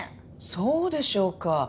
そうでしょうか？